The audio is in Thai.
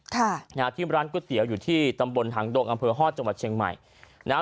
ค่ะนะฮะที่ร้านก๋วยเตี๋ยวอยู่ที่ตำบลหางดงอำเภอฮอตจังหวัดเชียงใหม่นะฮะ